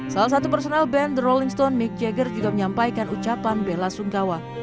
salah satu personel band the rolling stone mick jagger juga menyampaikan ucapan bela sungkawa